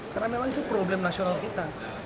karena memang itu problem nasional kita